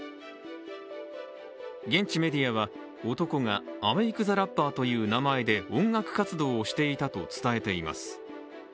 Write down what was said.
現地メディアは、男がアウェイク・ザ・ラッパーという名前で音楽活動をしていたと伝えています。